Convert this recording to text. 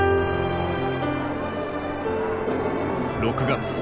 ６月。